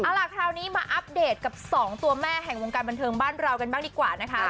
เอาล่ะคราวนี้มาอัปเดตกับสองตัวแม่แห่งวงการบันเทิงบ้านเรากันบ้างดีกว่านะคะ